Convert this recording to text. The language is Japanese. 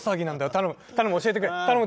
頼む頼む教えてくれ頼む！